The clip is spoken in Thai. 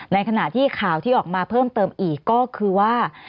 ในขณะที่ข่าวที่ออกมาเพิ่มเติมอีกก็คือว่า